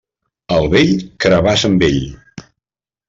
Al vell, carabassa amb ell.